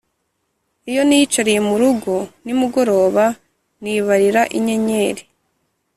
Iyo niyicariye mu rugo nimugoroba nibarira inyenyeri